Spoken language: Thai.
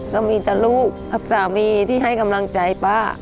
ก็มีแต่ลูกกับสามีที่ให้กำลังใจป้า